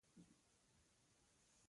د خپل ځان څخه هم د هغې مخنیوی نه شي کولای.